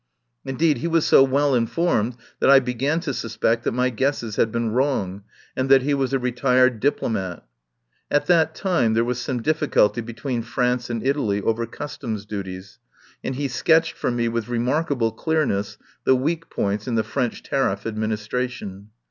Indeed he was so well informed that I began to suspect that my guesses had been wrong, and that he was a re tired diplomat. At that time there was some difficulty between France and Italy over cus toms duties, and he sketched for me with re markable clearness the weak points in the French tariff administration.